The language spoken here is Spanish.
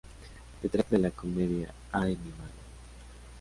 Se trata de la comedia ¡Ay, mi madre!